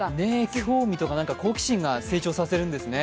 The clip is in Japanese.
興味とか好奇心が成長させるんですね。